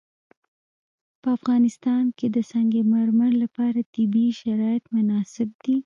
په افغانستان کې د سنگ مرمر لپاره طبیعي شرایط مناسب دي.